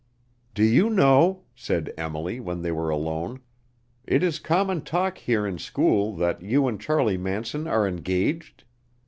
"Do you know," said Emily, when they were alone, "it is common talk here in school that you and Charlie Manson are engaged?